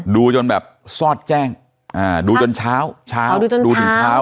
ดูจนแบบซอดแจ้งดูจนเช้าเช้าดูถึงเช้า